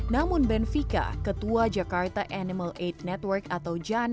namun benvika ketua jakarta animal aid network atau jan